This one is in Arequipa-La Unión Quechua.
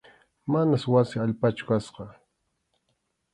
Manas wasi allpachu kasqa.